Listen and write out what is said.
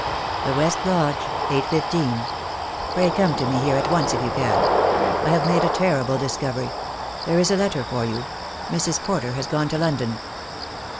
"The West Lodge, 8.15. Pray come to me here at once, if you can. I have made a terrible discovery. There is a letter for you. Mrs. Porter has gone to London."